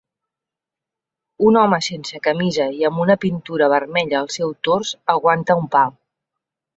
Un home sense camisa i amb una pintura vermella al seu tors aguanta un pal